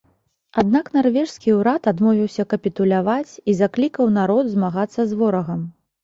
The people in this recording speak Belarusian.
Аднак нарвежскі ўрад адмовіўся капітуляваць і заклікаў народ змагацца з ворагам.